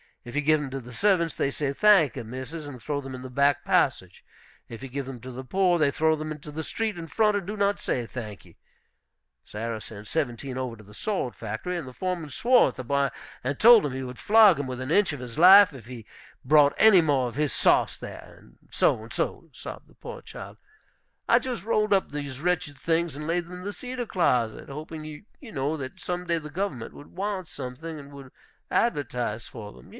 If you give them to the servants, they say, 'Thank e, missus,' and throw them in the back passage. If you give them to the poor, they throw them into the street in front, and do not say, 'Thank e.' Sarah sent seventeen over to the sword factory, and the foreman swore at the boy, and told him he would flog him within an inch of his life if he brought any more of his sauce there; and so and so," sobbed the poor child, "I just rolled up these wretched things, and laid them in the cedar closet, hoping, you know, that some day the government would want something, and would advertise for them.